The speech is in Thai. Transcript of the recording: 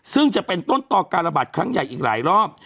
ซึ่งจะเป็นต้นต่อการระบาดครั้งใหญ่อีกหลายรอบ